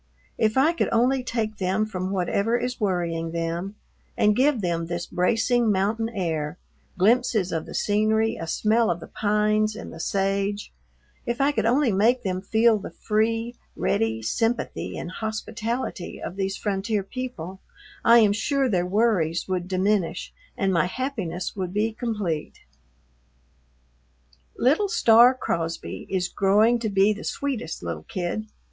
If I could only take them from whatever is worrying them and give them this bracing mountain air, glimpses of the scenery, a smell of the pines and the sage, if I could only make them feel the free, ready sympathy and hospitality of these frontier people, I am sure their worries would diminish and my happiness would be complete. Little Star Crosby is growing to be the sweetest little kid.